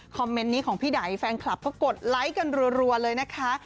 เมนต์นี้ของพี่ไดแฟนคลับก็กดไลค์กันรัวเลยนะคะ